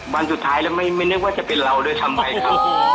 วันสุดท้ายแล้วไม่นึกว่าจะเป็นเราด้วยซ้ำไปครับ